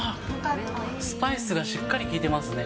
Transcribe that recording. スパイスがしっかり効いてますね。